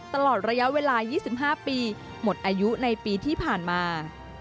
ตลอดระยะเวลา๒๕ปีหมดอายุในปีที่ผ่านมา